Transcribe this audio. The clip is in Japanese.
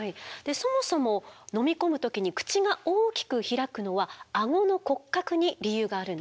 そもそも飲み込む時に口が大きく開くのはアゴの骨格に理由があるんです。